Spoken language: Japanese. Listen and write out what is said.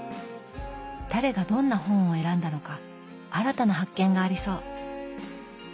誰がどんな本を選んだのか新たな発見がありそう！